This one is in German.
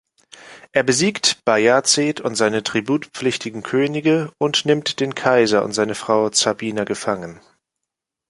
Er besiegt Bajazeth und seine tributpflichtigen Könige und nimmt den Kaiser und seine Frau Zabina gefangen.